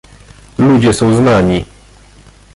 "Ludzie są znani."